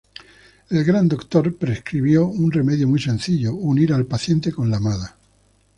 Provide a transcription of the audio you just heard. El gran doctor prescribió un remedio muy sencillo: unir al paciente con la amada.